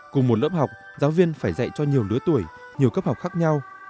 cùng một lớp học giáo viên phải dạy cho nhiều lứa tuổi nhiều cấp học khác nhau